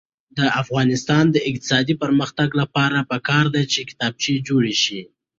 د افغانستان د اقتصادي پرمختګ لپاره پکار ده چې کتابچې جوړې شي.